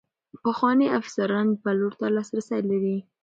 پخواني افسران پلور ته لاسرسی لري.